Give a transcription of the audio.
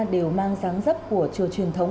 đều mang sáng giấc của chùa truyền thống